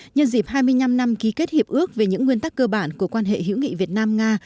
nhân dịp hai mươi năm năm ký kết hiệp ước về những nguyên tắc cơ bản của quan hệ hữu nghị việt nam nga